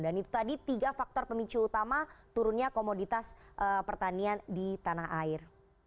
dan itu tadi tiga faktor pemicu utama turunnya komoditas pertanian di tanah air